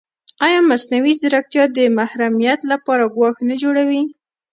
ایا مصنوعي ځیرکتیا د محرمیت لپاره ګواښ نه جوړوي؟